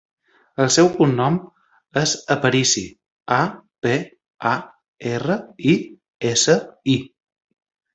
El seu cognom és Aparisi: a, pe, a, erra, i, essa, i.